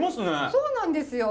そうなんですよ。